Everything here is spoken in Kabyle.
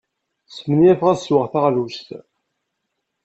Smenyafeɣ ad sweɣ taɣlust.